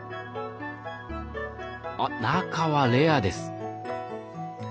あっ中はレアです。